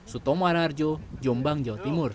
sutomo anarjo jombang jawa timur